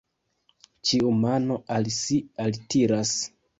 Ĉiu mano al si altiras.